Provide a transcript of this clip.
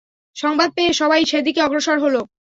সংবাদ পেয়ে সবাই সেদিকে অগ্রসর হল।